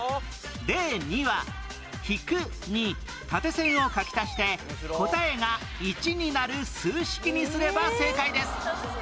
例２は「−」に縦線を書き足して答えが「１」になる数式にすれば正解です